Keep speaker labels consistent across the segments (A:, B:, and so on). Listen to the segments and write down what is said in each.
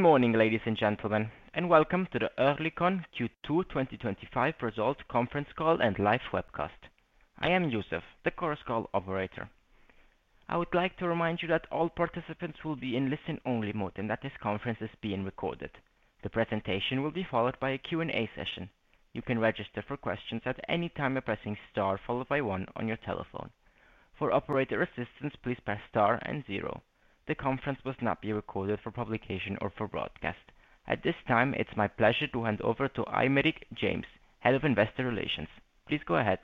A: Good morning, ladies and gentlemen, and welcome to the Oerlikon Q2 2025 Results Conference Call and Live Webcast. I am Yusuf, the Chorus Call operator. I would like to remind you that all participants will be in listen-only mode, and that this conference is being recorded. The presentation will be followed by a Q&A session. You can register for questions at any time by pressing star followed by one on your telephone. For operator assistance, please press star and zero. The conference must not be recorded for publication or for broadcast. At this time, it's my pleasure to hand over to Aymeric Jamin, Head of Investor Relations. Please go ahead.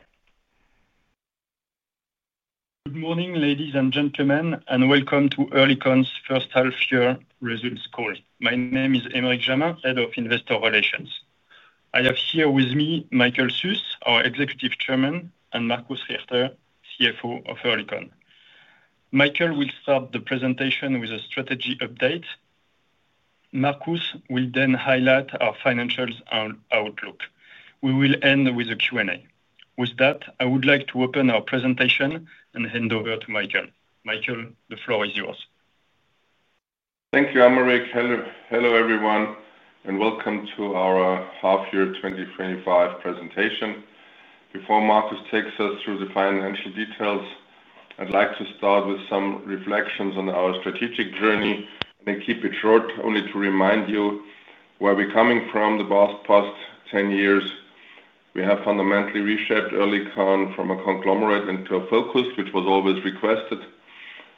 B: Good morning, ladies and gentlemen, and welcome to Oerlikon's First Half-Year Results Call. My name is Aymeric Jamin, Head of Investor Relations. I have here with me Michael Suess, our Executive Chairman, and Markus Richter, CFO of Oerlikon. Michael will start the presentation with a strategy update. Markus will then highlight our financials and outlook. We will end with a Q&A. With that, I would like to open our presentation and hand over to Michael. Michael, the floor is yours.
C: Thank you, Aymeric. Hello, hello everyone, and welcome to our half-year 2025 presentation. Before Markus takes us through the financial details, I'd like to start with some reflections on our strategic journey. I'll keep it short, only to remind you where we're coming from. The past 10 years, we have fundamentally reshaped Oerlikon from a conglomerate into a focus, which was always requested. A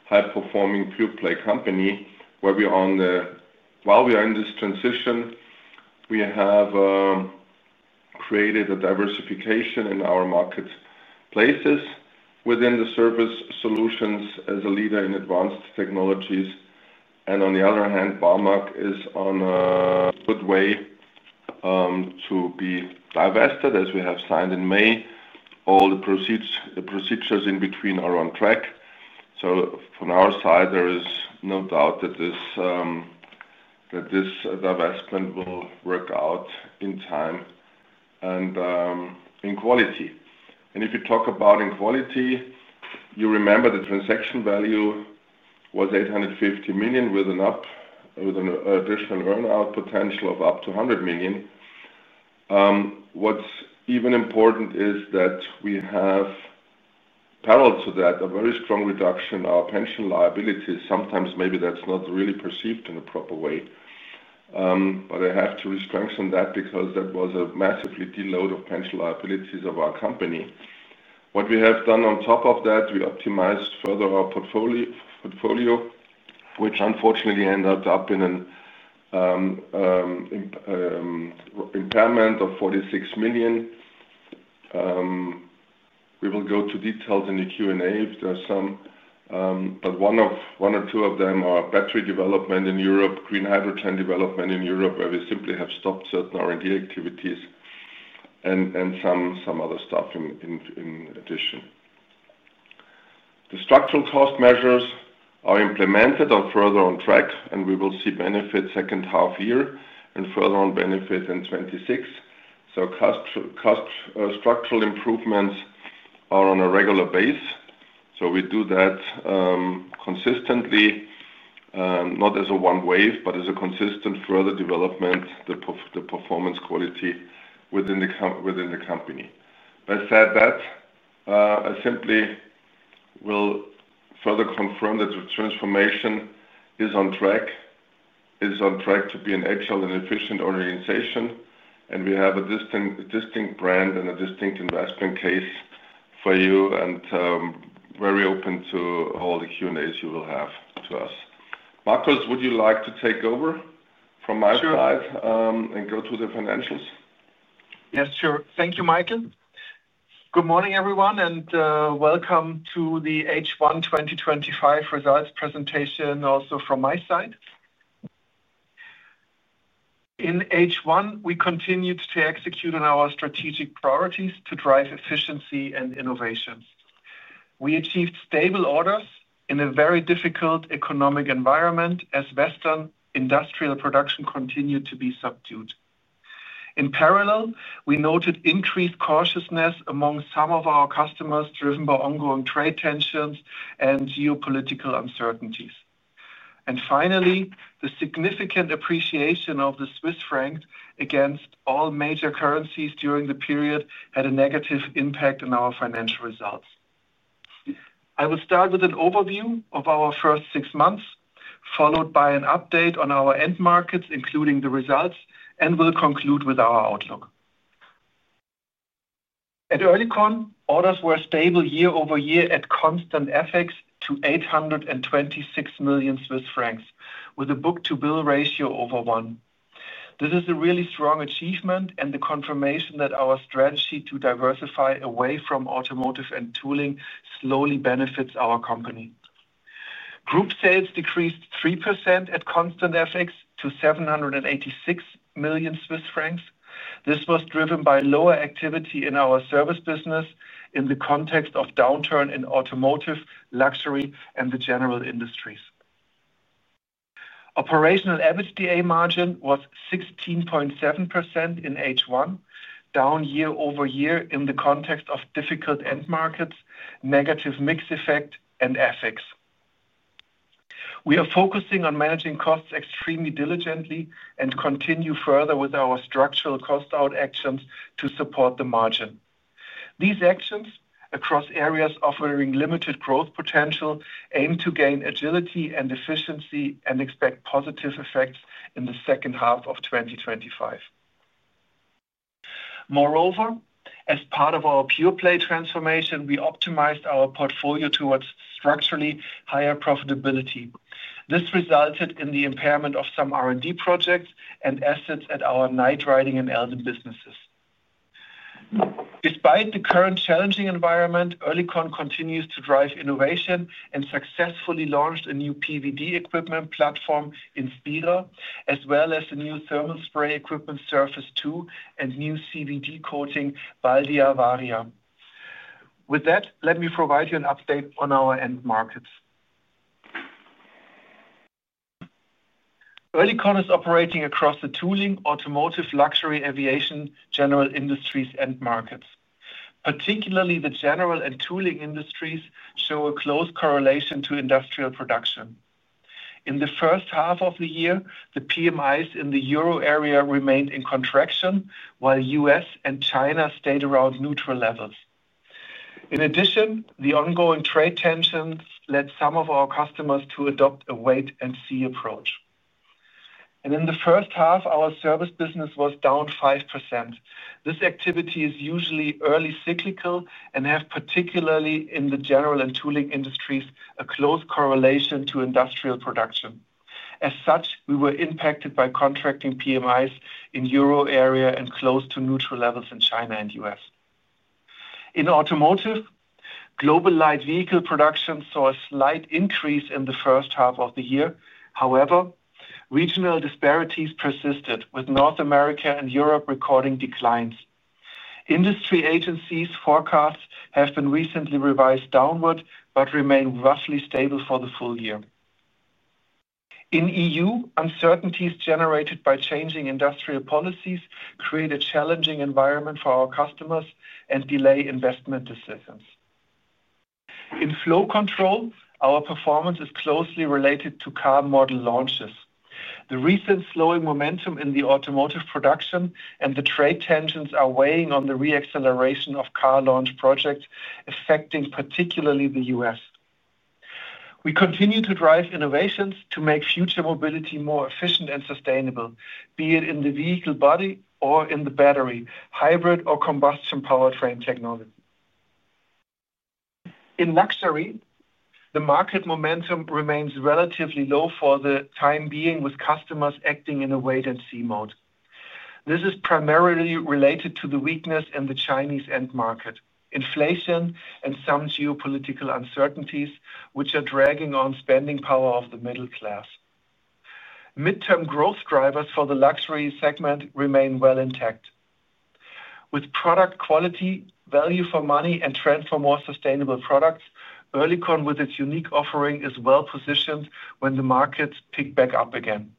C: high-performing pure-play company, where we are on the... While we are in this transition, we have created a diversification in our marketplaces within the service solutions as a leader in advanced technologies. On the other hand, Barmag is on a good way to be divested, as we have signed in May. All the procedures in between are on track. From our side, there is no doubt that this divestment will work out in time and in quality. If you talk about in quality, you remember the transaction value was 850 million with an additional earnout potential of up to 100 million. What's even important is that we have, parallel to that, a very strong reduction in our pension liabilities. Sometimes maybe that's not really perceived in a proper way, but I have to strengthen that because that was a massively deload of pension liabilities of our company. What we have done on top of that, we optimized further our portfolio, which unfortunately ended up in an impairment of 46 million. We will go to details in the Q&A if there are some, but one or two of them are battery development in Europe, green hydrogen development in Europe, where we simply have stopped certain R&D activities and some other stuff in addition. The structural cost measures are implemented or further on track, and we will see benefits second half year and further on benefits in 2026. Cost structural improvements are on a regular basis. We do that consistently, not as a one wave, but as a consistent further development, the performance quality within the company. I said that I simply will further confirm that the transformation is on track, is on track to be an agile and efficient organization. We have a distinct brand and a distinct investment case for you, and very open to all the Q&As you will have to us. Markus, would you like to take over from my side and go through the financials?
D: Yes, sure. Thank you, Michael. Good morning, everyone, and welcome to the H1 2025 results presentation also from my side. In H1, we continued to execute on our strategic priorities to drive efficiency and innovations. We achieved stable orders in a very difficult economic environment as Western industrial production continued to be subdued. In parallel, we noted increased cautiousness among some of our customers driven by ongoing trade tensions and geopolitical uncertainties. Finally, the significant appreciation of the Swiss franc against all major currencies during the period had a negative impact on our financial results. I will start with an overview of our first six months, followed by an update on our end markets, including the results, and we'll conclude with our outlook. At Oerlikon, orders were stable year-over-year at constant FX to 826 million Swiss francs, with a book-to-bill ratio over one. This is a really strong achievement and the confirmation that our strategy to diversify away from automotive and tooling slowly benefits our company. Group sales decreased 3% at constant FX to 786 million Swiss francs. This was driven by lower activity in our service business in the context of downturn in automotive, luxury, and the general industries. Operational EBITDA margin was 16.7% in H1, down year-over-year in the context of difficult end markets, negative mix effect, and FX. We are focusing on managing costs extremely diligently and continue further with our structural cost-out actions to support the margin. These actions across areas offering limited growth potential aim to gain agility and efficiency and expect positive effects in the second half of 2025. Moreover, as part of our pure-play transformation, we optimized our portfolio towards structurally higher profitability. This resulted in the impairment of some R&D projects and assets at our night riding and elderly businesses. Despite the current challenging environment, Oerlikon continues to drive innovation and successfully launched a new PVD equipment platform in Sputter, as well as new thermal spray equipment, Surface Two, and new CVD coating BALDIA VARIA. With that, let me provide you an update on our end markets. Oerlikon is operating across the tooling, automotive, luxury, aviation, general industries, and markets. Particularly, the general and tooling industries show a close correlation to industrial production. In the first half of the year, the PMIs in the Euro area remained in contraction, while the U.S. and China stayed around neutral levels. In addition, the ongoing trade tensions led some of our customers to adopt a wait-and-see approach. In the first half, our service business was down 5%. This activity is usually early cyclical and has, particularly in the general and tooling industries, a close correlation to industrial production. As such, we were impacted by contracting PMIs in the Euro area and close to neutral levels in China and the U.S. In automotive, global light vehicle production saw a slight increase in the first half of the year. However, regional disparities persisted, with North America and Europe recording declines. Industry agencies' forecasts have been recently revised downward but remain roughly stable for the full year. In the EU, uncertainties generated by changing industrial policies create a challenging environment for our customers and delay investment decisions. In flow control, our performance is closely related to car model launches. The recent slowing momentum in automotive production and the trade tensions are weighing on the reacceleration of car launch projects, affecting particularly the U.S. We continue to drive innovations to make future mobility more efficient and sustainable, be it in the vehicle body or in the battery, hybrid, or combustion powertrain technology. In luxury, the market momentum remains relatively low for the time being, with customers acting in a wait-and-see mode. This is primarily related to the weakness in the Chinese end market, inflation, and some geopolitical uncertainties, which are dragging on the spending power of the middle class. Midterm growth drivers for the luxury segment remain well intact. With product quality, value for money, and trends for more sustainable products, Oerlikon, with its unique offering, is well positioned when the markets pick back up again.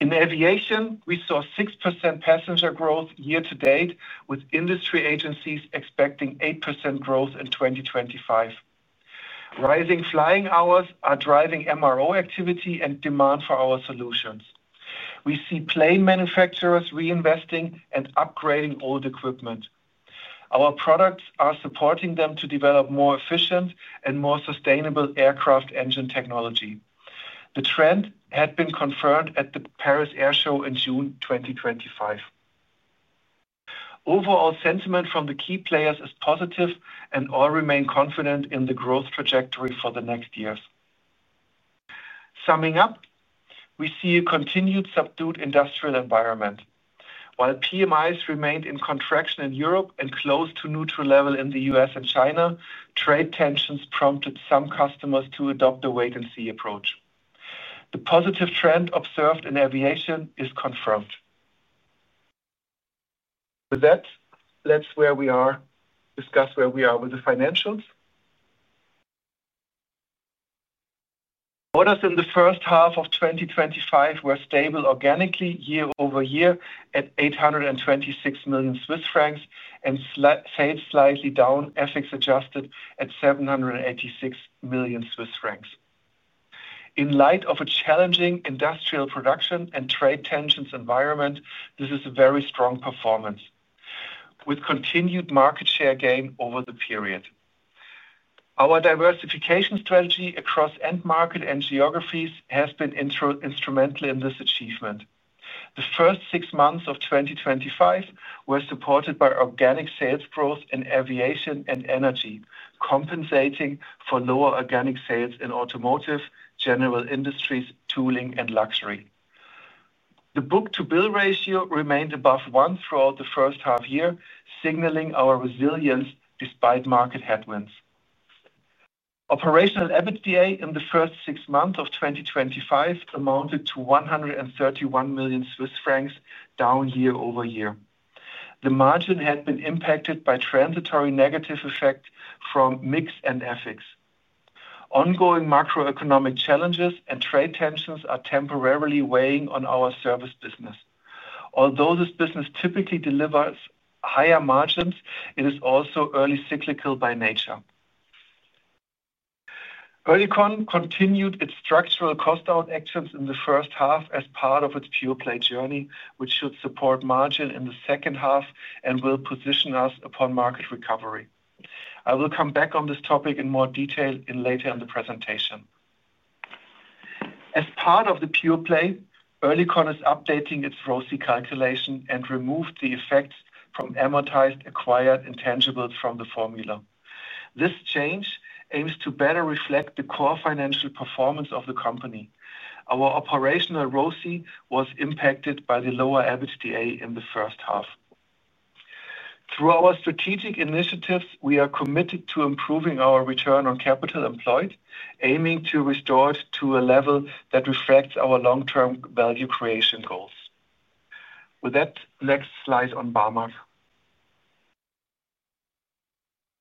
D: In aviation, we saw 6% passenger growth year to date, with industry agencies expecting 8% growth in 2025. Rising flying hours are driving MRO activity and demand for our solutions. We see plane manufacturers reinvesting and upgrading old equipment. Our products are supporting them to develop more efficient and more sustainable aircraft engine technology. The trend had been confirmed at the Paris Air Show in June 2025. Overall sentiment from the key players is positive, and all remain confident in the growth trajectory for the next years. Summing up, we see a continued subdued industrial environment. While PMIs remained in contraction in Europe and close to neutral levels in the U.S. and China, trade tensions prompted some customers to adopt a wait-and-see approach. The positive trend observed in aviation is confirmed. With that, let's discuss where we are with the financials. Orders in the first half of 2025 were stable organically year-over-year at 826 million Swiss francs and slightly down, FX adjusted at 786 million Swiss francs. In light of a challenging industrial production and trade tensions environment, this is a very strong performance with continued market share gain over the period. Our diversification strategy across end markets and geographies has been instrumental in this achievement. The first six months of 2025 were supported by organic sales growth in aviation and energy, compensating for lower organic sales in automotive, general industries, tooling, and luxury. The book-to-bill ratio remained above one throughout the first half year, signaling our resilience despite market headwinds. Operational EBITDA in the first six months of 2025 amounted to 131 million Swiss francs, down year-over-year. The margin had been impacted by transitory negative effects from mix and FX. Ongoing macro-economic challenges and trade tensions are temporarily weighing on our service business. Although this business typically delivers higher margins, it is also early cyclical by nature. Oerlikon continued its structural cost-out actions in the first half as part of its pure-play journey, which should support margin in the second half and will position us upon market recovery. I will come back on this topic in more detail later in the presentation. As part of the pure-play, Oerlikon is updating its ROCI calculation and removes the effects from amortized, acquired, and tangibles from the formula. This change aims to better reflect the core financial performance of the company. Our operational ROCI was impacted by the lower EBITDA in the first half. Through our strategic initiatives, we are committed to improving our return on capital employed, aiming to restore it to a level that reflects our long-term value creation goals. With that, let's slide on Barmag.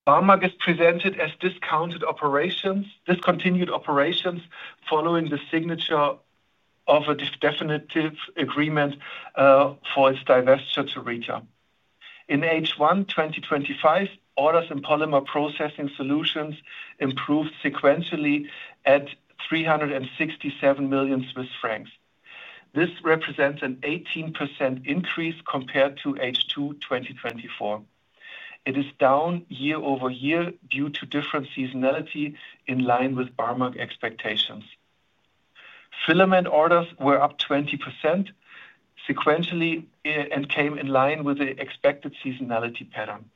D: Barmag is presented as discontinued operations following the signature of a definitive agreement for its divestiture to Rieter. In H1 2025, orders in polymer processing solutions improved sequentially at 367 million Swiss francs. This represents an 18% increase compared to H2 2024. It is down year-over-year due to different seasonality in line with Barmag expectations. Filament orders were up 20% sequentially and came in line with the expected seasonality pattern.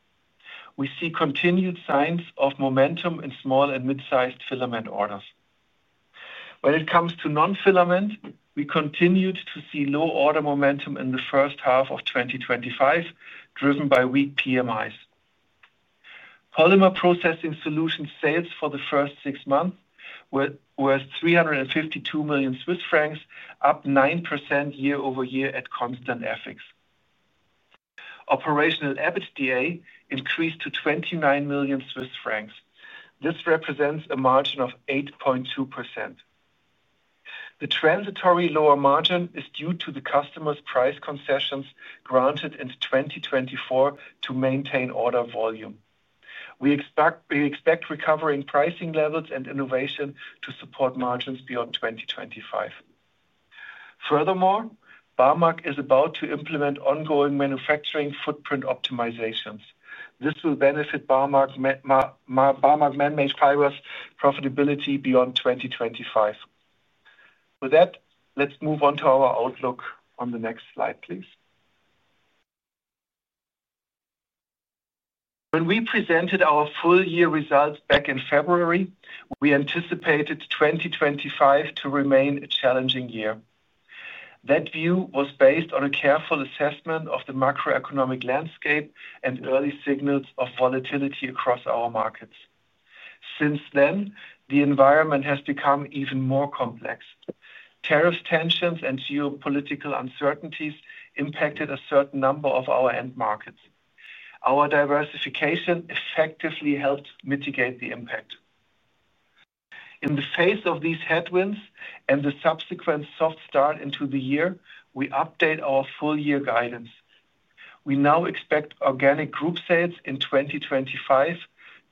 D: We see continued signs of momentum in small and mid-sized filament orders. When it comes to non-filament, we continued to see low order momentum in the first half of 2025, driven by weak PMIs. Polymer processing solutions' sales for the first six months were 352 million Swiss francs, up 9% year-over-year at constant FX. Operational EBITDA increased to 29 million Swiss francs. This represents a margin of 8.2%. The transitory lower margin is due to the customers' price concessions granted in 2024 to maintain order volume. We expect recovering pricing levels and innovation to support margins beyond 2025. Furthermore, Barmag is about to implement ongoing manufacturing footprint optimizations. This will benefit Barmag man-made fibers' profitability beyond 2025. With that, let's move on to our outlook on the next slide, please. When we presented our full-year results back in February, we anticipated 2025 to remain a challenging year. That view was based on a careful assessment of the macro-economic landscape and early signals of volatility across our markets. Since then, the environment has become even more complex. Tariff tensions and geopolitical uncertainties impacted a certain number of our end markets. Our diversification effectively helped mitigate the impact. In the face of these headwinds and the subsequent soft start into the year, we update our full-year guidance. We now expect organic group sales in 2025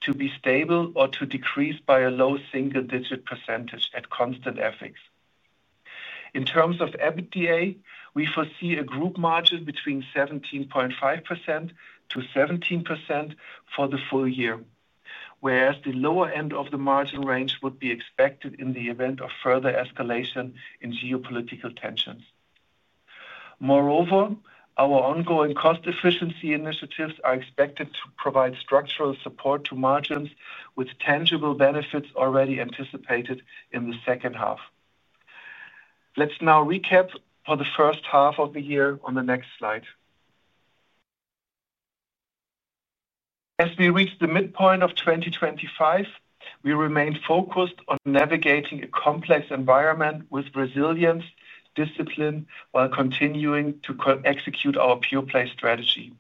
D: to be stable or to decrease by a low single-digit percentage at constant FX. In terms of EBITDA, we foresee a group margin between 17.5%-17% for the full year, whereas the lower end of the margin range would be expected in the event of further escalation in geopolitical tensions. Moreover, our ongoing cost efficiency initiatives are expected to provide structural support to margins with tangible benefits already anticipated in the second half. Let's now recap for the first half of the year on the next slide. As we reach the midpoint of 2025, we remain focused on navigating a complex environment with resilience and discipline, while continuing to execute our pure-play strategy.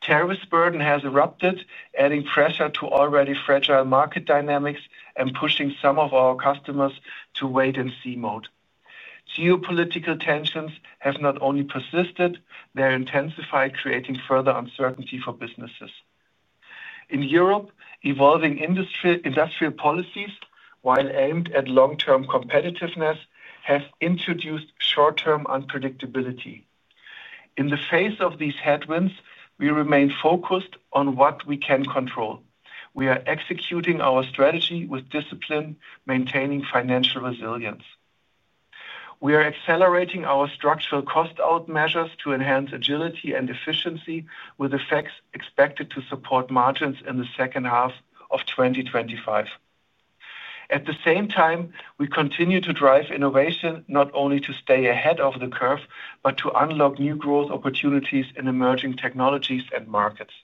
D: Tariff burden has erupted, adding pressure to already fragile market dynamics and pushing some of our customers to wait-and-see mode. Geopolitical tensions have not only persisted, they've intensified, creating further uncertainty for businesses. In Europe, evolving industrial policies, while aimed at long-term competitiveness, have introduced short-term unpredictability. In the face of these headwinds, we remain focused on what we can control. We are executing our strategy with discipline, maintaining financial resilience. We are accelerating our structural cost-out measures to enhance agility and efficiency, with effects expected to support margins in the second half of 2025. At the same time, we continue to drive innovation, not only to stay ahead of the curve, but to unlock new growth opportunities in emerging technologies and markets.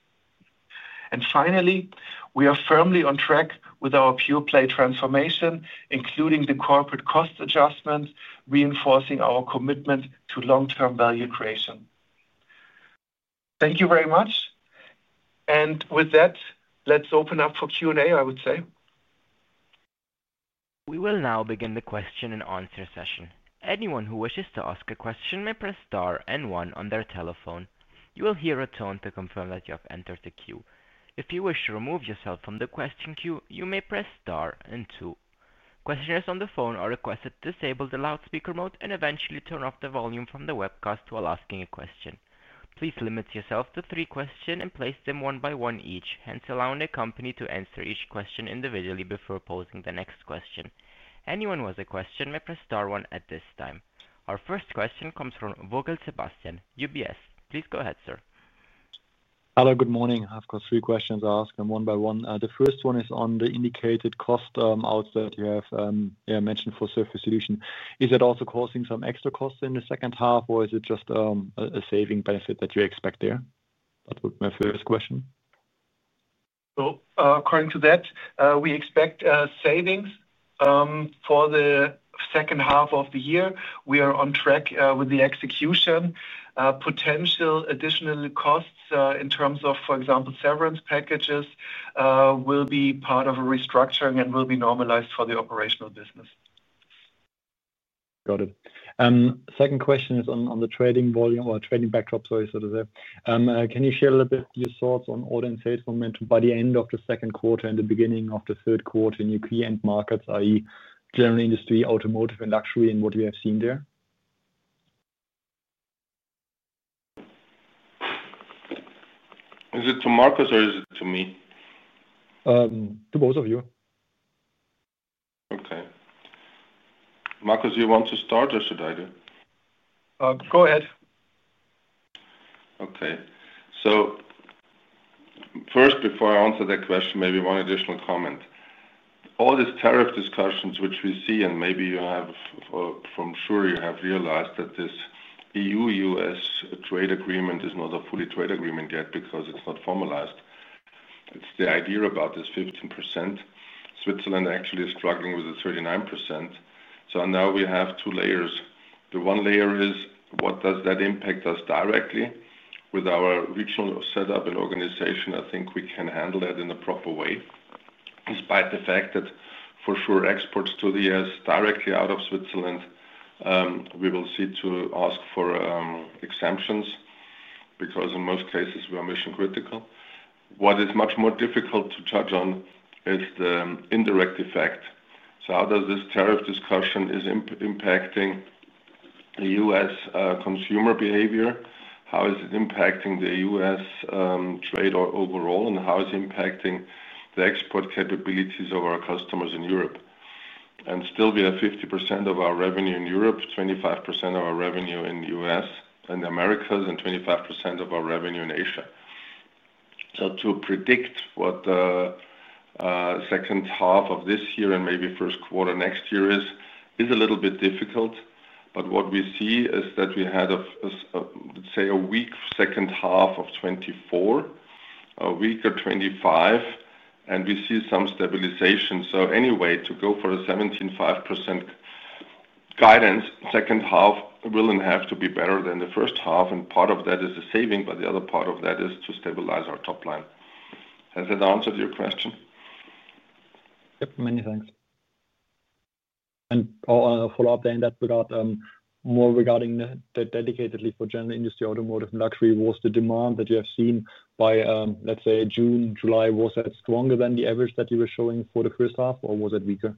D: Finally, we are firmly on track with our pure-play transformation, including the corporate cost adjustment, reinforcing our commitment to long-term value creation. Thank you very much. With that, let's open up for Q&A, I would say.
A: We will now begin the question and answer session. Anyone who wishes to ask a question may press star and one on their telephone. You will hear a tone to confirm that you have entered the queue. If you wish to remove yourself from the question queue, you may press star and two. Questioners on the phone are requested to disable the loudspeaker mode and eventually turn off the volume from the webcast while asking a question. Please limit yourself to three questions and place them one by one, each allowing the company to answer each question individually before posing the next question. Anyone who has a question may press star one at this time. Our first question comes from Vogel, Sebastian, UBS. Please go ahead, sir.
E: Hello, good morning. I've got three questions. I'll ask them one by one. The first one is on the indicated cost-out that you have mentioned for Surface Solutions. Is it also causing some extra costs in the second half, or is it just a saving benefit that you expect there? That would be my first question.
D: According to that, we expect savings for the second half of the year. We are on track with the execution. Potential additional costs in terms of, for example, severance packages will be part of restructuring and will be normalized for the operational business.
E: Got it. Second question is on the trading volume or trading backdrop, sorry, so to say. Can you share a little bit of your thoughts on order and sales momentum by the end of the second quarter and the beginning of the third quarter in your key end markets, i.e., general industry, automotive, and luxury, and what you have seen there?
C: Is it to Markus or is it to me?
E: To both of you.
C: Okay. Markus, do you want to start or should I?
D: Go ahead.
C: Okay. First, before I answer that question, maybe one additional comment. All these tariff discussions, which we see, and maybe you have, I'm sure you have realized that this EU-U.S. trade agreement is not a fully trade agreement yet because it's not formalized. It's the idea about this 15%. Switzerland actually is struggling with the 39%. Now we have two layers. The one layer is what does that impact us directly. With our regional setup and organization, I think we can handle that in a proper way. Despite the fact that for sure exports to the U.S. directly out of Switzerland, we will see to ask for exemptions because in most cases, we are mission critical. What is much more difficult to judge on is the indirect effect. How does this tariff discussion impact the U.S. consumer behavior? How is it impacting the U.S. trade overall, and how is it impacting the export capabilities of our customers in Europe? We still have 50% of our revenue in Europe, 25% of our revenue in the U.S. and the Americas, and 25% of our revenue in Asia. To predict what the second half of this year and maybe first quarter next year is, is a little bit difficult. What we see is that we had a, let's say, a weak second half of 2024, a weaker 2025, and we see some stabilization. Anyway, to go for a 17.5% guidance, the second half will have to be better than the first half. Part of that is a saving, but the other part of that is to stabilize our top line. Has that answered your question?
E: Many thanks. I'll follow up there in that regard. More regarding the dedicatedly for general industry, automotive, and luxury, was the demand that you have seen by, let's say, June, July, was that stronger than the average that you were showing for the first half, or was it weaker?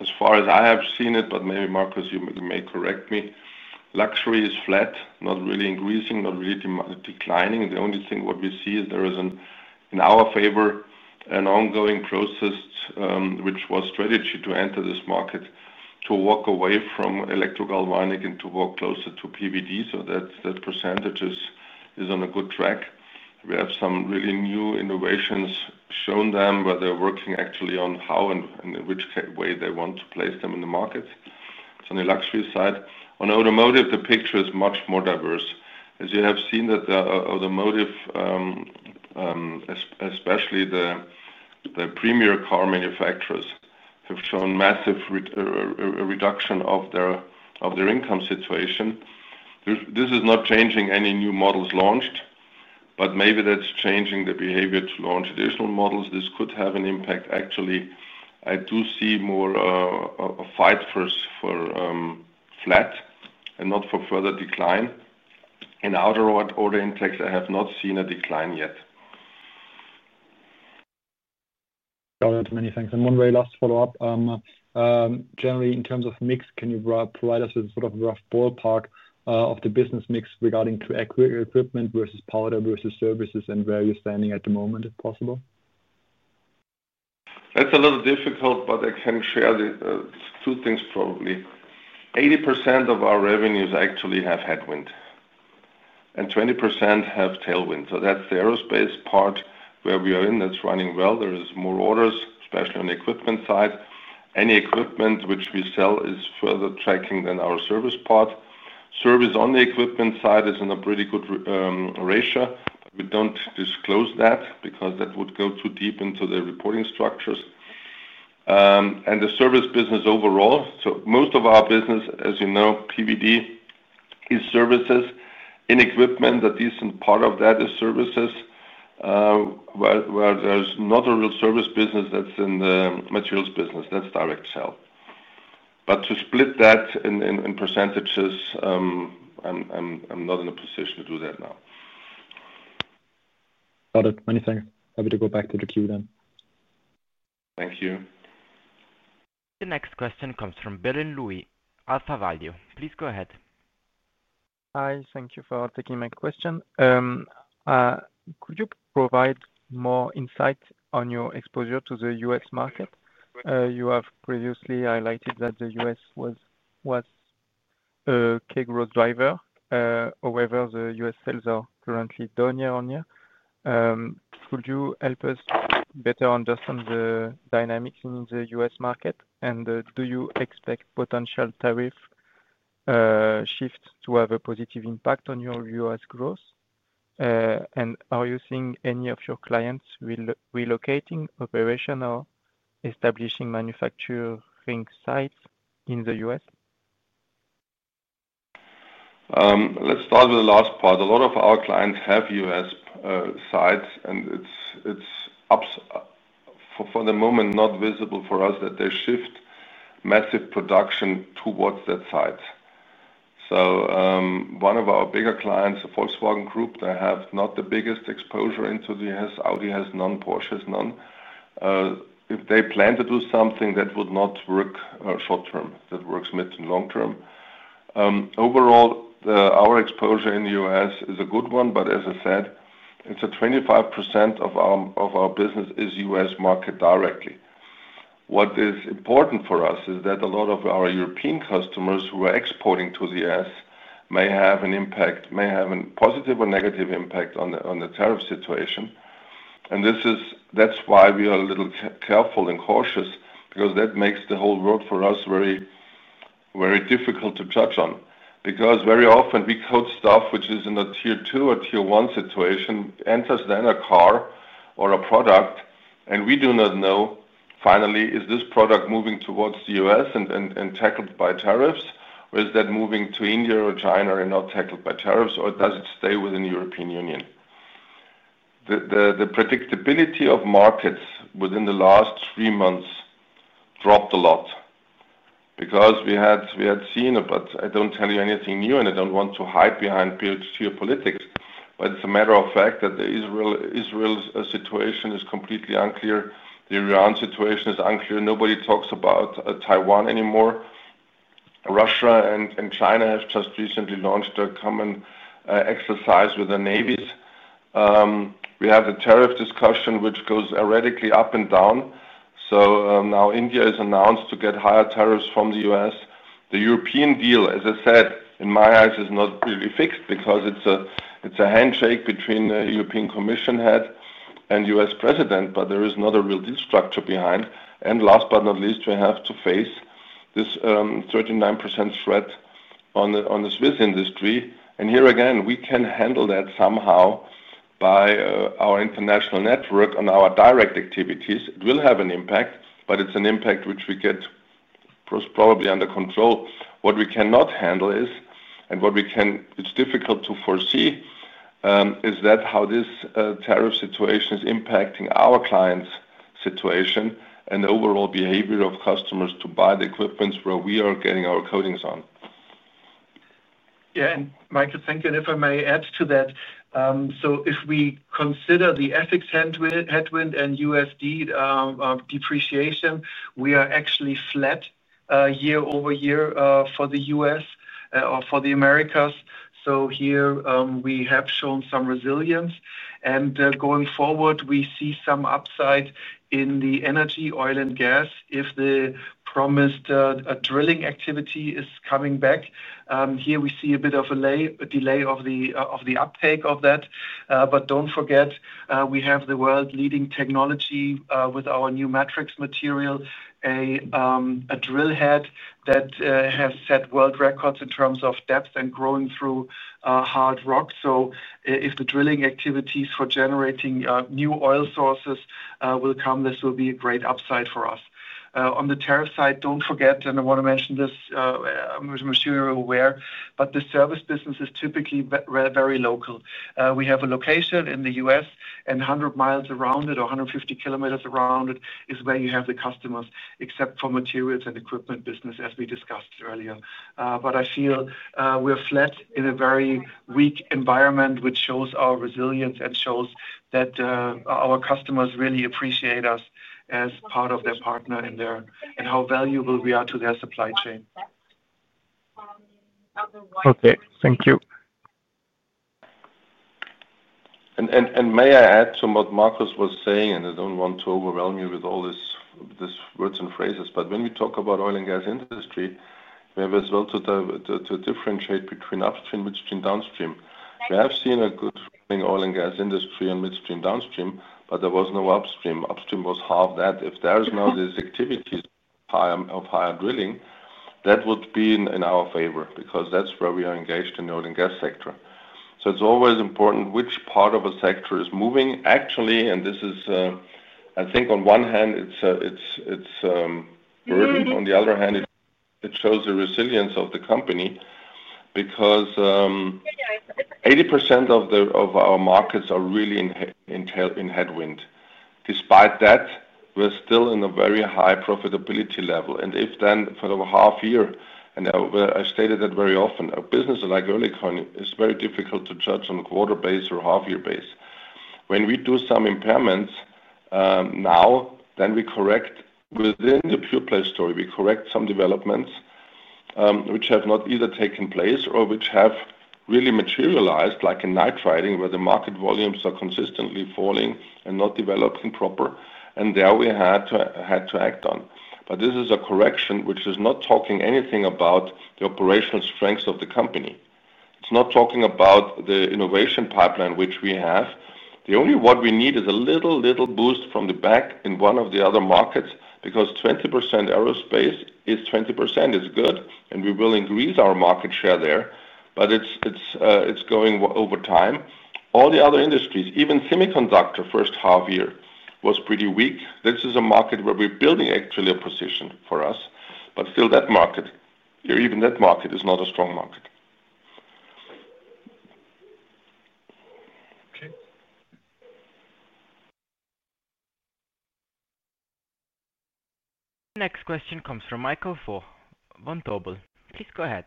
C: As far as I have seen it, but maybe Markus, you may correct me. Luxury is flat, not really increasing, not really declining. The only thing we see is there is, in our favor, an ongoing process, which was a strategy to enter this market, to walk away from electrogalvanic and to walk closer to PVD. That percentage is on a good track. We have some really new innovations, shown them, but they're working actually on how and in which way they want to place them in the market. It's on the luxury side. On automotive, the picture is much more diverse. As you have seen, the automotive, especially the premier car manufacturers, have shown a massive reduction of their income situation. This is not changing any new models launched, but maybe that's changing the behavior to launch additional models. This could have an impact. Actually, I do see more fights for flat and not for further decline. Outer order index, I have not seen a decline yet.
E: Got it. Many thanks. One very last follow-up. Generally, in terms of mix, can you provide us a sort of rough ballpark of the business mix regarding equipment versus powder versus services and where you're standing at the moment, if possible?
C: That's a little difficult, but I can share two things probably. 80% of our revenues actually have headwind and 20% have tailwind. That's the aerospace part where we are in that's running well. There are more orders, especially on the equipment side. Any equipment which we sell is further tracking than our service part. Service on the equipment side is in a pretty good ratio. We don't disclose that because that would go too deep into the reporting structures. The service business overall, most of our business, as you know, PVD is services. In equipment, a decent part of that is services, where there's not a real service business that's in the materials business. That's direct sale. To split that in percentages, I'm not in a position to do that now.
E: Got it. Many thanks. Happy to go back to the queue then.
C: Thank you.
A: The next question comes from Billion, Louis, AlphaValue. Please go ahead.
F: Hi. Thank you for taking my question. Could you provide more insight on your exposure to the U.S. market? You have previously highlighted that the U.S. was a key growth driver. However, the U.S. sales are currently down year on year. Could you help us better understand the dynamics in the U.S. market? Do you expect potential tariff shifts to have a positive impact on your U.S. growth? Are you seeing any of your clients relocating operation or establishing manufacturing sites in the U.S.?
C: Let's start with the last part. A lot of our clients have U.S. sites, and it's for the moment not visible for us that they shift massive production towards that site. One of our bigger clients, the Volkswagen Group, does not have the biggest exposure into the U.S. Audi has none, Porsche has none. If they plan to do something, that would not work short term. That works mid to long term. Overall, our exposure in the U.S. is a good one, but as I said, 25% of our business is U.S. market directly. What is important for us is that a lot of our European customers who are exporting to the U.S. may have an impact, may have a positive or negative impact on the tariff situation. That is why we are a little careful and cautious because that makes the whole world for us very, very difficult to judge on. Very often we quote stuff which is in a Tier 2 or Tier 1 situation, enters then a car or a product, and we do not know, finally, is this product moving towards the U.S. and tackled by tariffs, or is that moving to India or China and not tackled by tariffs, or does it stay within the European Union? The predictability of markets within the last three months dropped a lot because we had seen it. I don't tell you anything new, and I don't want to hide behind pure politics. It is a matter of fact that the Israel situation is completely unclear. The Iran situation is unclear. Nobody talks about Taiwan anymore. Russia and China have just recently launched a common exercise with the navies. We have the tariff discussion, which goes erratically up and down. Now India is announced to get higher tariffs from the U.S. The European deal, as I said, in my eyes, is not really fixed because it's a handshake between the European Commission head and the U.S. president, but there is not a real deal structure behind. Last but not least, we have to face this 39% threat on the Swiss industry. Here again, we can handle that somehow by our international network and our direct activities. It will have an impact, but it's an impact which we get probably under control. What we cannot handle, and what is difficult to foresee, is how this tariff situation is impacting our clients' situation and the overall behavior of customers to buy the equipment where we are getting our coatings on.
D: Yeah, Michael, thank you. If I may add to that, if we consider the FX headwind and USD depreciation, we are actually flat year-over-year for the U.S. or for the Americas. Here we have shown some resilience. Going forward, we see some upside in the energy, oil, and gas if the promised drilling activity is coming back. We see a bit of a delay of the uptake of that. Don't forget, we have the world's leading technology with our new matrix material, a drill head that has set world records in terms of depth and growing through hard rock. If the drilling activities for generating new oil sources will come, this will be a great upside for us. On the tariff side, I want to mention this, I'm sure you're aware, but the service business is typically very local. We have a location in the U.S., and 100 mi around it, or 150 km around it, is where you have the customers, except for materials and equipment business, as we discussed earlier. I feel we're flat in a very weak environment, which shows our resilience and shows that our customers really appreciate us as part of their partner and how valuable we are to their supply chain.
F: Okay, thank you.
C: May I add to what Markus was saying, I don't want to overwhelm you with all these words and phrases, but when we talk about oil and gas industry, we have as well to differentiate between upstream and midstream downstream. We have seen a good thing in the oil and gas industry and midstream downstream, but there was no upstream. Upstream was half that. If there's now these activities of higher drilling, that would be in our favor because that's where we are engaged in the oil and gas sector. It's always important which part of a sector is moving. Actually, I think on one hand, it's a burden. On the other hand, it shows the resilience of the company because 80% of our markets are really in headwind. Despite that, we're still in a very high profitability level. If then for the half year, I stated that very often, a business like Oerlikon is very difficult to judge on quarter base or half year base. When we do some impairments now, we correct within the pure-play story, we correct some developments which have not either taken place or which have really materialized, like in night riding, where the market volumes are consistently falling and not developing proper. There we had to act on. This is a correction which is not talking anything about the operational strengths of the company. It's not talking about the innovation pipeline which we have. The only what we need is a little, little boost from the back in one of the other markets because 20% aerospace is 20% is good, and we will increase our market share there, but it's going over time. All the other industries, even semiconductor, first half year was pretty weak. This is a market where we're building actually a position for us, but still that market, even that market is not a strong market.
A: Next question comes from Michael Foeth, Vontobel. Please go ahead.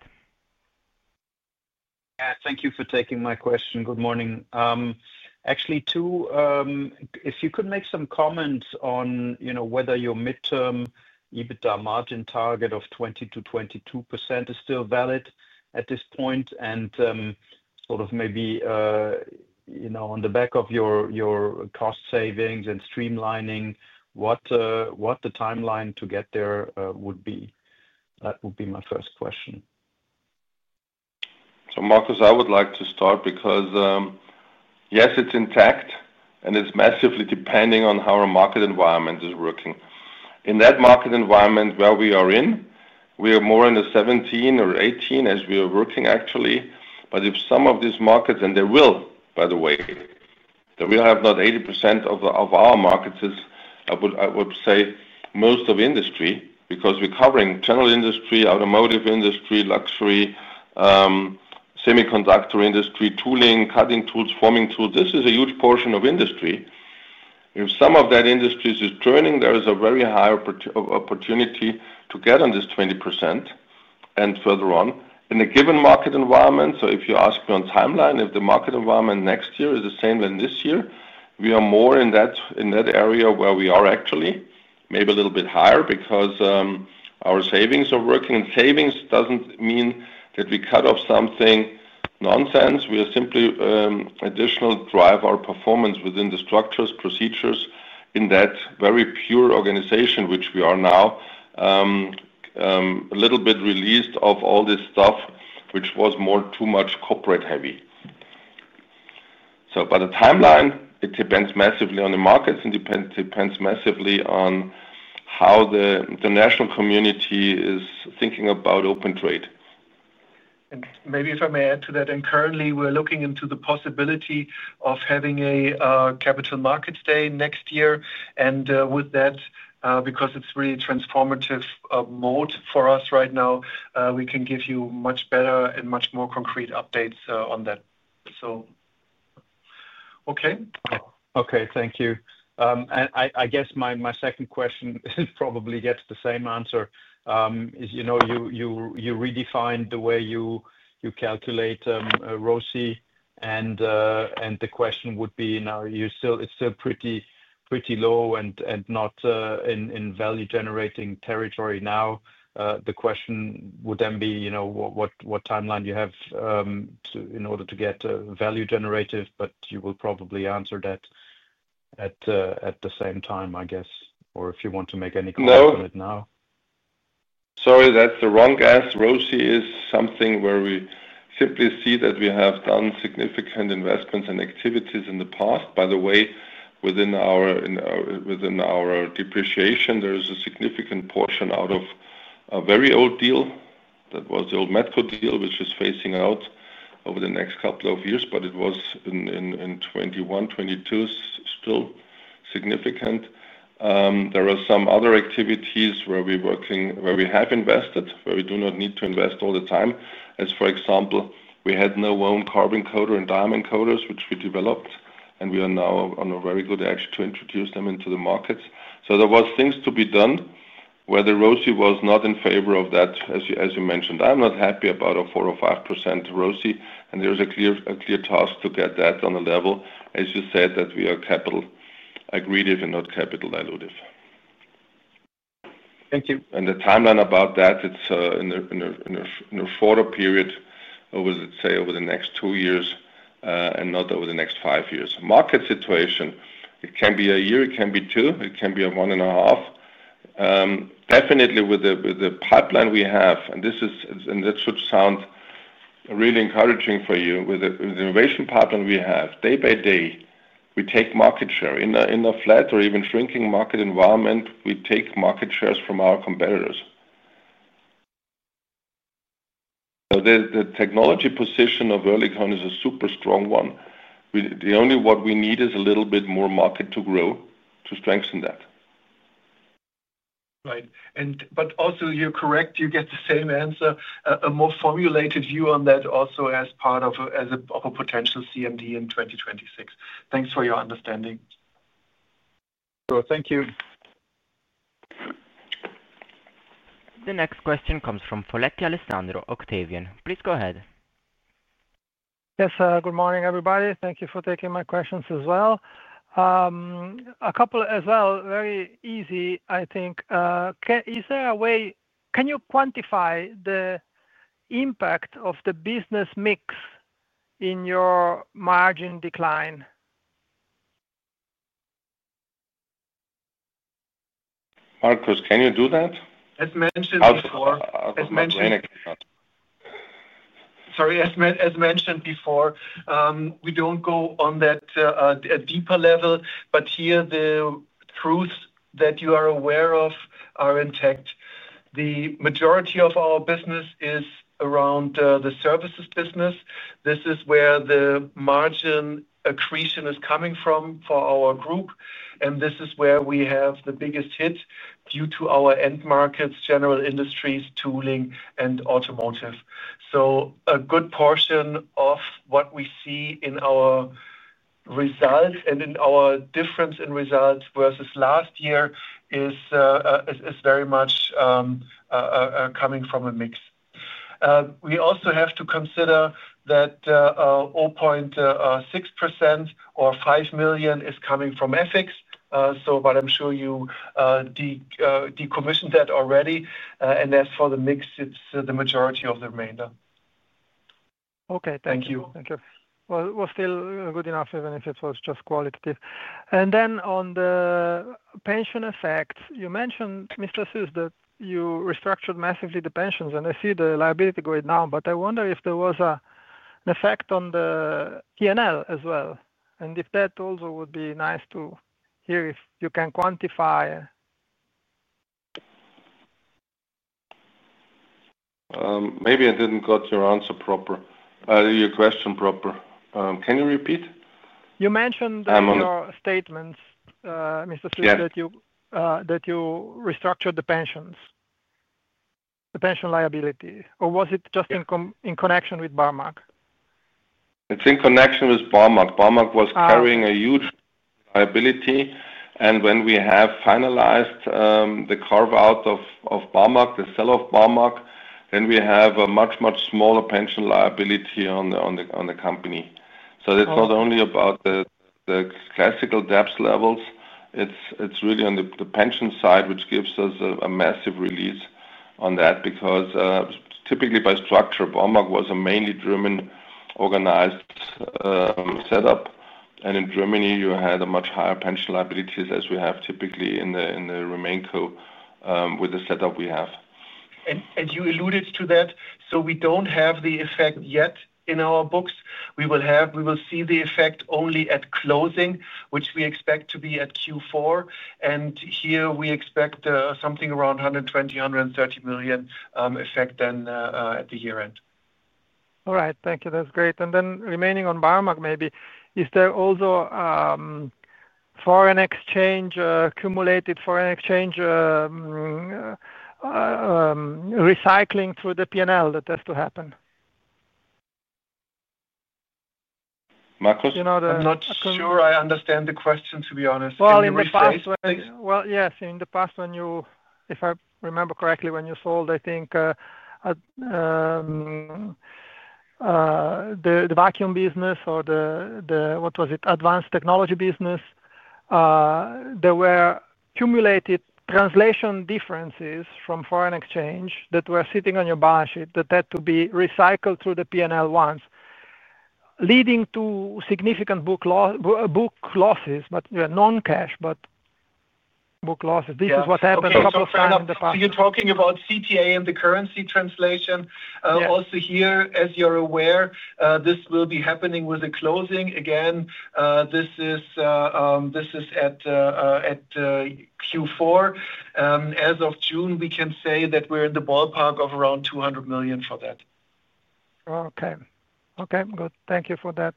G: Thank you for taking my question. Good morning. Actually, two, if you could make some comments on whether your midterm EBITDA margin target of 20%-22% is still valid at this point, and maybe on the back of your cost savings and streamlining, what the timeline to get there would be. That would be my first question.
C: Markus, I would like to start because yes, it's intact, and it's massively depending on how our market environment is working. In that market environment where we are in, we are more in the 17 or 18 as we are working, actually. If some of these markets, and they will, by the way, they will have not 80% of our markets, I would say most of industry, because we're covering general industry, automotive industry, luxury, semiconductor industry, tooling, cutting tools, forming tools. This is a huge portion of industry. If some of that industry is turning, there is a very high opportunity to get on this 20% and further on. In a given market environment, if you ask me on timeline, if the market environment next year is the same than this year, we are more in that area where we are actually, maybe a little bit higher because our savings are working. Savings doesn't mean that we cut off something nonsense. We are simply additional drive our performance within the structures, procedures in that very pure organization, which we are now a little bit released of all this stuff, which was more too much corporate heavy. By the timeline, it depends massively on the markets and depends massively on how the international community is thinking about open trade.
D: Maybe if I may add to that, currently we're looking into the possibility of having a capital markets day next year. With that, because it's really a transformative mode for us right now, we can give you much better and much more concrete updates on that. Thank you. I guess my second question probably gets the same answer. You know, you redefine the way you calculate ROCI, and the question would be, now it's still pretty low and not in value-generating territory now. The question would then be, you know, what timeline do you have in order to get value generative? You will probably answer that at the same time, I guess, or if you want to make any comments on it now.
C: ROCI is something where we simply see that we have done significant investments and activities in the past. By the way, within our depreciation, there is a significant portion out of a very old deal. That was the old Metco deal, which is phasing out over the next couple of years, but it was in 2021, 2022 still significant. There are some other activities where we're working, where we have invested, where we do not need to invest all the time. For example, we had no worn carbon coder and diamond coders, which we developed, and we are now on a very good edge to introduce them into the markets. There were things to be done where the ROCI was not in favor of that. As you mentioned, I'm not happy about a 4% or 5% ROCI, and there's a clear task to get that on a level, as you said, that we are capital-aggregative and not capital-dilutive.
G: Thank you.
C: The timeline about that is in a shorter period, I would say over the next two years and not over the next five years. Market situation, it can be a year, it can be two, it can be one and a half. Definitely with the pipeline we have, and this should sound really encouraging for you, with the innovation pipeline we have, day by day, we take market share. In a flat or even shrinking market environment, we take market shares from our competitors. The technology position of Oerlikon is a super strong one. The only thing we need is a little bit more market to grow to strengthen that.
D: Right. You're correct, you get the same answer, a more formulated view on that also as part of a potential CMD in 2026. Thanks for your understanding.
G: Sure. Thank you.
A: The next question comes from Foletti, Alessandro, Octavian. Please go ahead.
H: Yes, good morning everybody. Thank you for taking my questions as well. A couple as well, very easy, I think. Is there a way, can you quantify the impact of the business mix in your margin decline?
C: Markus, can you do that?
D: As mentioned before. Sorry, as mentioned before, we don't go on that deeper level, but here the truth that you are aware of are intact. The majority of our business is around the services business. This is where the margin accretion is coming from for our group, and this is where we have the biggest hit due to our end markets, general industries, tooling, and automotive. A good portion of what we see in our results and in our difference in results versus last year is very much coming from a mix. We also have to consider that our 0.6% or 5 million is coming from FX. I'm sure you decommissioned that already, and as for the mix, it's the majority of the remainder.
H: Okay, thank you. Thank you. We're still good enough even if it was just qualitative. On the pension effects, you mentioned, Mr. Suess, that you restructured massively the pensions, and I see the liability going down. I wonder if there was an effect on the P&L as well, and if that also would be nice to hear if you can quantify.
C: Maybe I didn't get your question proper. Can you repeat?
H: You mentioned in your statements, Mr. Suess, that you restructured the pensions, the pension liabilities, or was it just in connection with Barmag?
C: It's in connection with Barmag. Barmag was carrying a huge liability, and when we have finalized the carve-out of Barmag, the sell-off of Barmag, then we have a much, much smaller pension liability on the company. It's not only about the classical debt levels, it's really on the pension side, which gives us a massive release on that because typically by structure, Barmag was a mainly German-organized setup, and in Germany, you had a much higher pension liability as we have typically in the remaining company with the setup we have.
D: You alluded to that. We don't have the effect yet in our books. We will see the effect only at closing, which we expect to be in Q4. Here we expect something around 120 million-130 million effect at the year end.
H: All right. Thank you. That's great. Remaining on Barmag, maybe, is there also foreign exchange, accumulated foreign exchange, recycling through the P&L that has to happen?
C: Markus.
D: I'm not sure I understand the question, to be honest.
H: In the past, when you, if I remember correctly, when you sold, I think the vacuum business or the, what was it, advanced technology business, there were accumulated translation differences from foreign exchange that were sitting on your balance sheet that had to be recycled through the P&L once, leading to significant book losses, but non-cash, but book losses. This is what happened a couple of times in the past.
D: You're talking about CTA and the currency translation. Also here, as you're aware, this will be happening with a closing. This is at Q4. As of June, we can say that we're in the ballpark of around 200 million for that.
H: Okay, good. Thank you for that.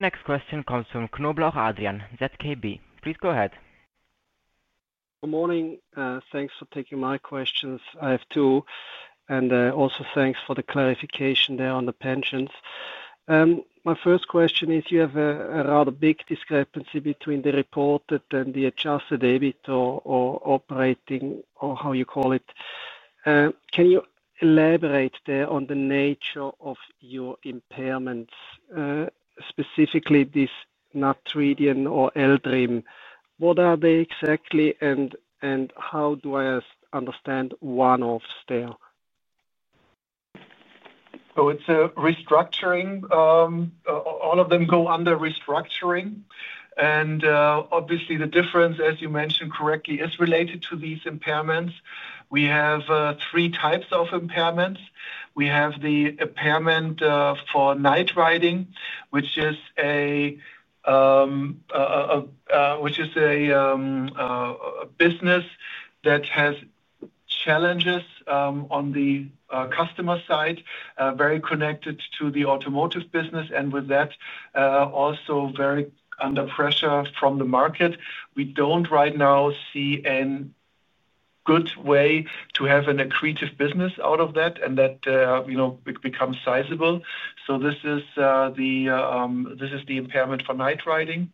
A: Next question comes from Knoblauch, Adrian, ZKB. Please go ahead.
I: Good morning. Thanks for taking my questions. I have two, and also thanks for the clarification there on the pensions. My first question is you have a rather big discrepancy between the reported and the adjusted EBITDA or operating, or how you call it. Can you elaborate there on the nature of your impairments, specifically this night riding or Eldim? What are they exactly, and how do I understand one-offs there?
D: Oh, it's a restructuring. All of them go under restructuring. Obviously, the difference, as you mentioned correctly, is related to these impairments. We have three types of impairments. We have the impairment for night riding, which is a business that has challenges on the customer side, very connected to the automotive business, and with that, also very under pressure from the market. We don't right now see a good way to have an accretive business out of that, and that becomes sizable. This is the impairment for night riding.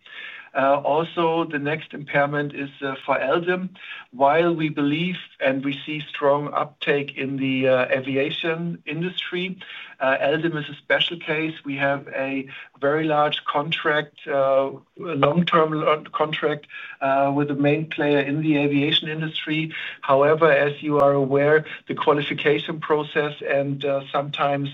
D: The next impairment is for Eldim. While we believe and we see strong uptake in the aviation industry, Eldim is a special case. We have a very large contract, a long-term contract with the main player in the aviation industry. However, as you are aware, the qualification process and sometimes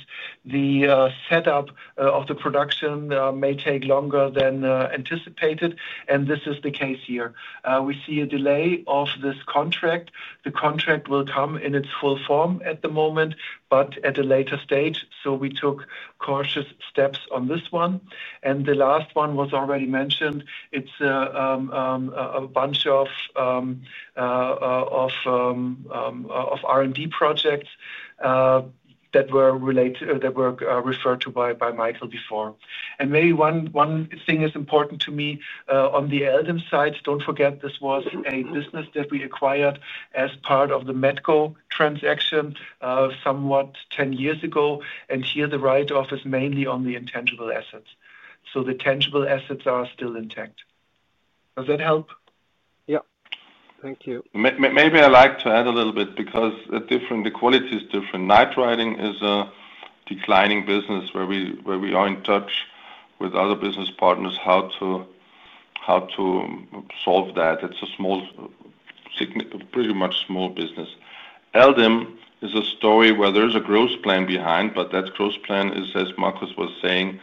D: the setup of the production may take longer than anticipated, and this is the case here. We see a delay of this contract. The contract will come in its full form at the moment, but at a later stage. We took cautious steps on this one. The last one was already mentioned. It's a bunch of R&D projects that were referred to by Michael before. Maybe one thing is important to me on the Eldim side. Don't forget, this was a business that we acquired as part of the Metco transaction somewhat 10 years ago. Here, the write-off is mainly on the intangible assets. The tangible assets are still intact. Does that help?
I: Thank you.
C: Maybe I like to add a little bit because the quality is different. Night riding is a declining business where we are in touch with other business partners how to solve that. It's a small, pretty much small business. Eldim is a story where there's a growth plan behind, but that growth plan is, as Markus was saying,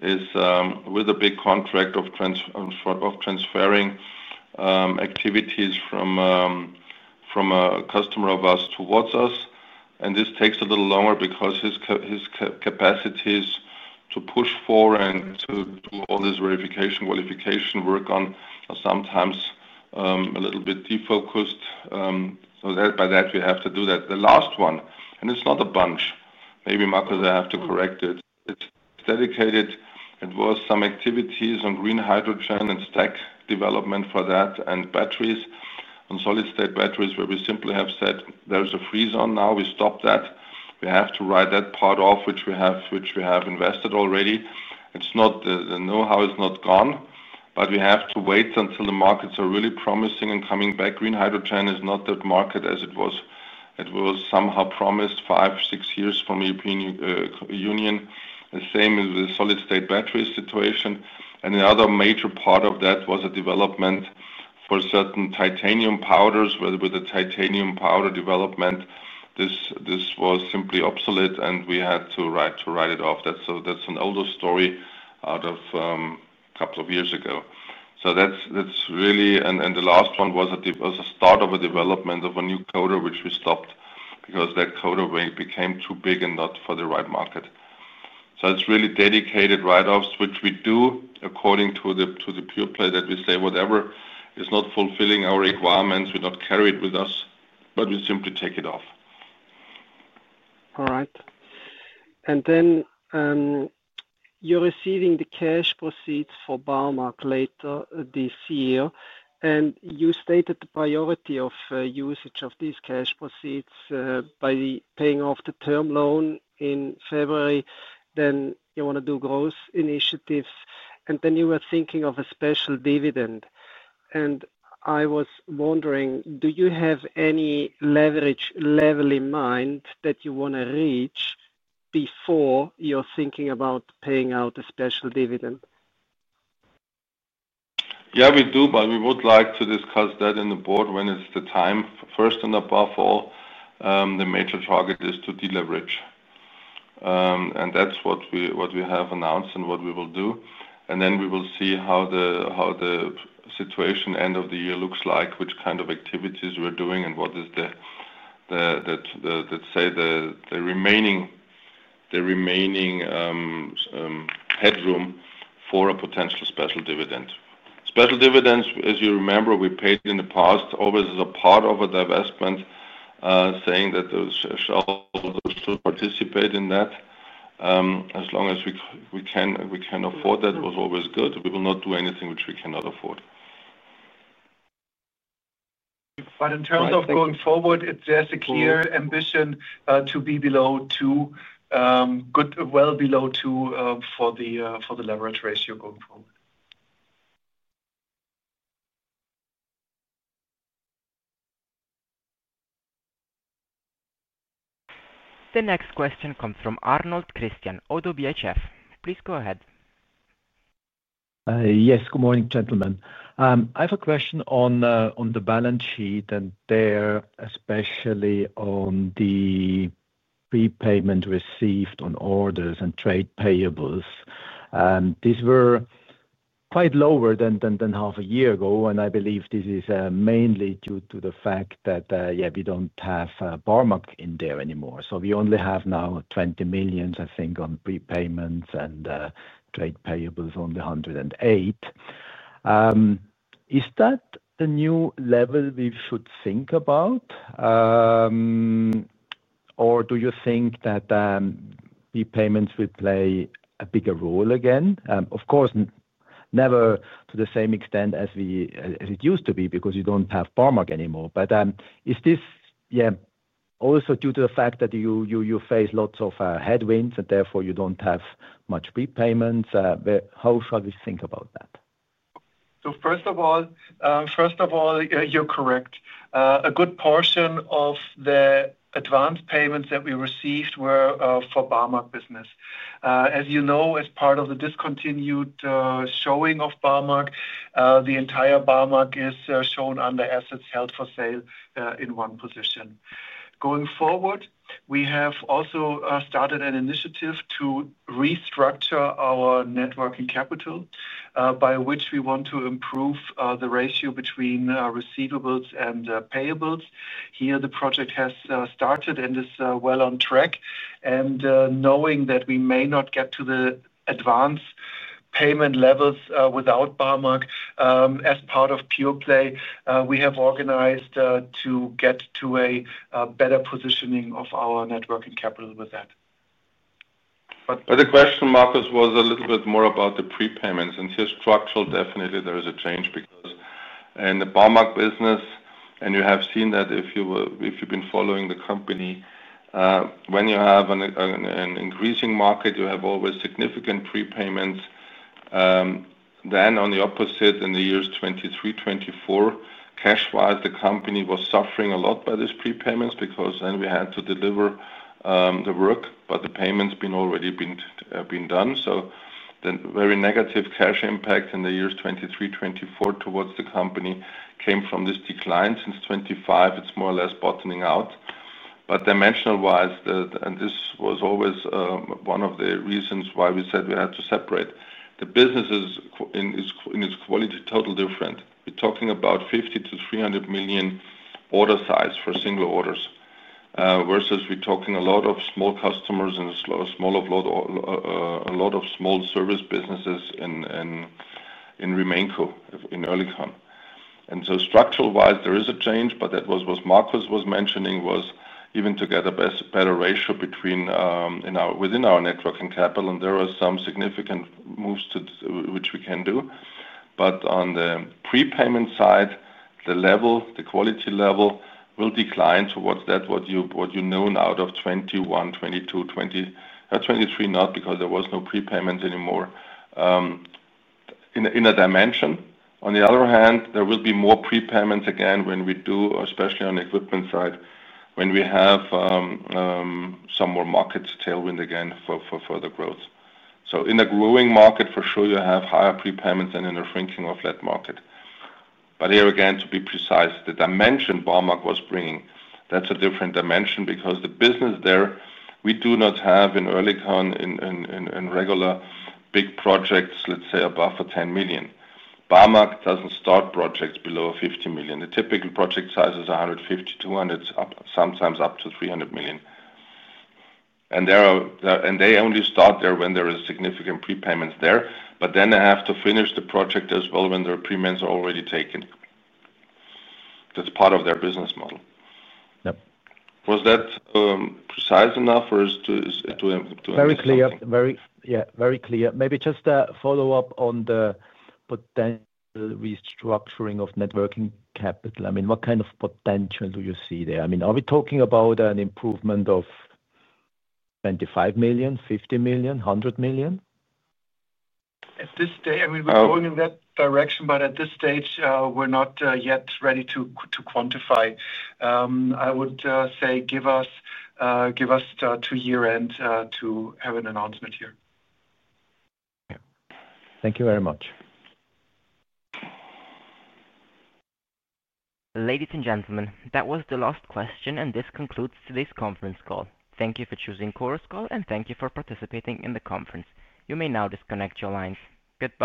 C: with a big contract of transferring activities from a customer of us towards us. This takes a little longer because his capacities to push forward and to do all this verification, qualification work on are sometimes a little bit defocused. By that, we have to do that. The last one, and it's not a bunch. Maybe Markus, I have to correct it. It's dedicated. It was some activities on green hydrogen and stack development for that and batteries on solid-state batteries where we simply have said there's a freeze on now. We stopped that. We have to write that part off, which we have invested already. It's not the know-how is not gone, but we have to wait until the markets are really promising and coming back. Green hydrogen is not that market as it was. It was somehow promised five or six years from the European Union. The same is with the solid-state battery situation. The other major part of that was a development for certain titanium powders, where with the titanium powder development, this was simply obsolete, and we had to write it off. That's an older story out of a couple of years ago. That's really, and the last one was a start of a development of a new coder, which we stopped because that coder became too big and not for the right market. It's really dedicated write-offs, which we do according to the pure-play that we say whatever is not fulfilling our requirements, we don't carry it with us, but we simply take it off.
I: All right. You're receiving the cash proceeds for Barmag later this year. You stated the priority of usage of these cash proceeds by paying off the term loan in February. You want to do growth initiatives, and you were thinking of a special dividend. I was wondering, do you have any leverage level in mind that you want to reach before you're thinking about paying out a special dividend?
C: We would like to discuss that in the board when it's the time. First and above all, the major target is to deleverage. That's what we have announced and what we will do. We will see how the situation end of the year looks like, which kind of activities we're doing, and what is the, let's say, the remaining headroom for a potential special dividend. Special dividends, as you remember, we paid in the past always as a part of a divestment, saying that those shall participate in that. As long as we can afford that, it was always good. We will not do anything which we cannot afford.
D: In terms of going forward, it's just a clear ambition to be well below two for the leverage ratio going forward.
A: The next question comes from Arnold, Christian ODDO BHF. Please go ahead.
J: Yes, good morning, gentlemen. I have a question on the balance sheet and there, especially on the prepayment received on orders and trade payables. These were quite lower than half a year ago, and I believe this is mainly due to the fact that, yeah, we don't have Barmag in there anymore. We only have now 20 million, I think, on prepayments and trade payables, only 108 million. Is that a new level we should think about, or do you think that prepayments will play a bigger role again? Of course, never to the same extent as it used to be because you don't have Barmag anymore. Is this also due to the fact that you face lots of headwinds and therefore you don't have much prepayments? How shall we think about that?
D: First of all, you're correct. A good portion of the advanced payments that we received were for Barmag business. As you know, as part of the discontinued showing of Barmag, the entire Barmag is shown under assets held for sale in one position. Going forward, we have also started an initiative to restructure our net working capital, by which we want to improve the ratio between receivables and payables. The project has started and is well on track. Knowing that we may not get to the advanced payment levels without Barmag as part of pure-play, we have organized to get to a better positioning of our net working capital with that.
C: The question, Markus, was a little bit more about the prepayments. Here, structurally, definitely, there is a change because in the Barmag business, and you have seen that if you've been following the company, when you have an increasing market, you have always significant prepayments. In the years 2023, 2024, cash-wise, the company was suffering a lot by these prepayments because we had to deliver the work, but the payments have already been done. The very negative cash impact in the years 2023, 2024 towards the company came from this decline. Since 2025, it's more or less bottoming out. Dimensional-wise, this was always one of the reasons why we said we had to separate. The business is in its quality totally different. We're talking about 50 million-300 million order size for single orders versus a lot of small customers and a lot of small service businesses in Metco in Oerlikon. Structural-wise, there is a change, but what Markus was mentioning was even to get a better ratio within our net working capital. There are some significant moves which we can do. On the prepayment side, the quality level will decline towards what you know now out of 2021, 2022, 2023, not because there were no prepayments anymore in a dimension. On the other hand, there will be more prepayments again when we do, especially on the equipment side, when we have some more market tailwind again for further growth. In a growing market, for sure, you have higher prepayments than in a shrinking or flat market. To be precise, the dimension Barmag was bringing, that's a different dimension because the business there, we do not have in Oerlikon in regular big projects, let's say above 10 million. Barmag doesn't start projects below 50 million The typical project size is 150, 200, sometimes up to 300 million. They only start there when there are significant prepayments. They have to finish the project as well when their premiums are already taken. That's part of their business model.
J: Yep.
C: Was that precise enough or is it too?
J: Very clear. Maybe just a follow-up on the potential restructuring of networking capital. What kind of potential do you see there? Are we talking about an improvement of 25 million, 50 million, 100 million?
D: At this stage, we're going in that direction, but at this stage, we're not yet ready to quantify. I would say give us to year end to have an announcement here.
J: Thank you very much.
A: Ladies and gentlemen, that was the last question, and this concludes today's conference call. Thank you for choosing Chorus Call, and thank you for participating in the conference. You may now disconnect your lines. Goodbye.